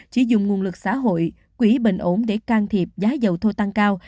chỉ dùng nguồn lực xã hội quỹ bình ổn để can thiệp giá dầu thô tăng cao